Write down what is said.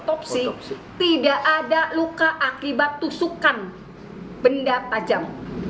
tentu saja hasil visum maupun otopsi tidak ada luka akibat tusukan benda tajam